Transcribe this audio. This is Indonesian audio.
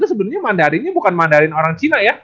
sebenernya mandarinnya bukan mandarin orang china